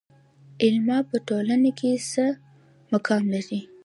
علما په ټولنه کې څه مقام لري؟